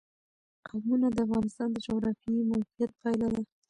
قومونه د افغانستان د جغرافیایي موقیعت پایله ده.